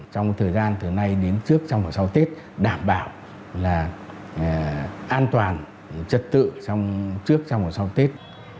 trong thời gian từ nay đến trước trong hồi sau tết đảm bảo là an toàn chất tự trước trong hồi sau tết